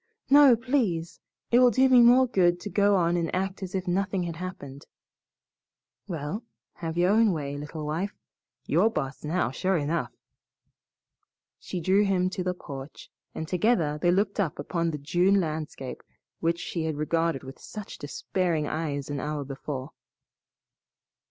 "No, please! It will do me more good to go on and act as if nothing had happened." "Well, have your own way, little wife. You're boss now, sure enough." She drew him to the porch, and together they looked upon the June landscape which she had regarded with such despairing eyes an hour before.